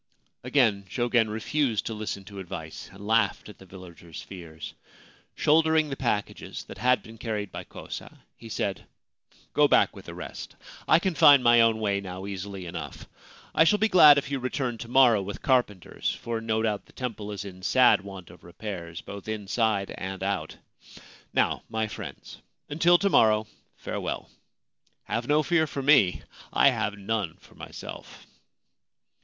Again Jogen refused to listen to advice, and laughed at the villagers' fears. Shouldering the packages that had been carried by Kosa, he said : 4 Go back with the rest. I can find my own way now easily enough. I shall be glad if you return to morrow with carpenters, for no doubt the temple is in sad want of repairs, both inside and out. Now, my friends, until to morrow, farewell. Have no fear for me : I have none for myself.'